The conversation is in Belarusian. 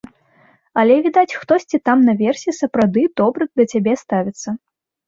Але, відаць, хтосьці там наверсе сапраўды добра да цябе ставіцца.